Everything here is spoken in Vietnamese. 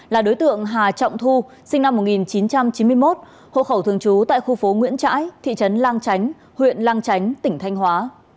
là đối tượng hà trọng thu sinh năm một nghìn chín trăm chín mươi một hộ khẩu thường trú tại khu phố nguyễn trãi thị trấn lang chánh huyện lang chánh tỉnh thanh hóa